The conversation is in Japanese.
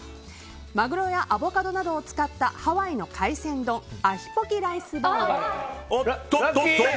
マグロやアボカドなどを使ったハワイの海鮮丼アヒポキライスボウル。